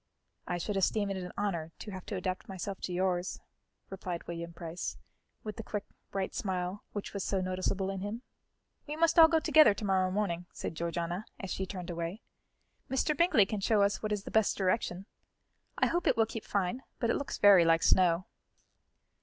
"I should esteem it an honour to have to adapt myself to yours," replied William Price, with the quick, bright smile which was so noticeable in him. "We must all go together to morrow morning," said Georgiana, as she turned away. "Mr. Bingley can show us what is the best direction. I hope it will keep fine, but it looks very like snow."